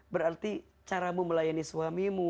berarti caramu melayani suamimu